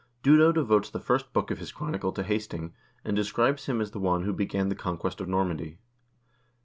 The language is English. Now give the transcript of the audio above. Dudo de votes the first book of his chronicle to Hasting, and describes him as the one who began the conquest of Normandy.